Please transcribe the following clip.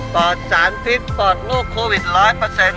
อดสารพิษปลอดลูกโควิดร้อยเปอร์เซ็นต์